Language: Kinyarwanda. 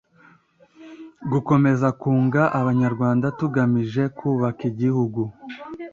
gukomeza kunga abanyarwanda tugamije kubaka igihugu